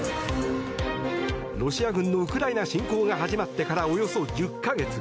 ロシア軍のウクライナ侵攻が始まってからおよそ１０か月。